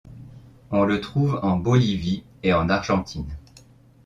On le trouve en Bolivie et en Argentine.